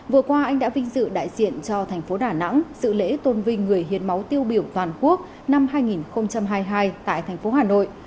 vừa qua anh đã vinh dự đại diện cho thành phố đà nẵng sự lễ tôn vinh người hiến máu tiêu biểu toàn quốc năm hai nghìn hai mươi hai tại thành phố hà nội